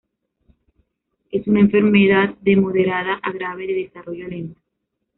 Es una enfermedad de moderada a grave, de desarrollo lento.